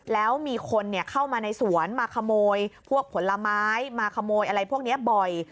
แล้วมีคนเข้ามาในสวนมาขโมยพวกผลไม้มาขโมยอะไรพวกนี้บ่อย